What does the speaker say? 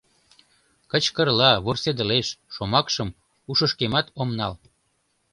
Кычкырла, вурседылеш — шомакшым ушышкемат ом нал.